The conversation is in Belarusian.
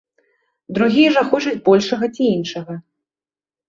Другія жа хочуць большага ці іншага.